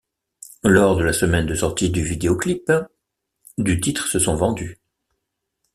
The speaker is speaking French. Lors de la semaine de sortie du vidéo-clip, du titre se sont vendus.